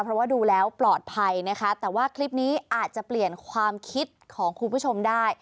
เพราะว่าดูแล้วปลอดภัยนะคะแต่ว่าคลิปนี้อาจจะเปลี่ยนความคิดของคุณผู้ชมได้